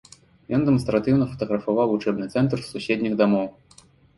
Ён дэманстратыўна фатаграфаваў вучэбны цэнтр з суседніх дамоў.